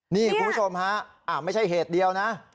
นี่คุณผู้ชมฮะไม่ใช่เหตุเดียวนะ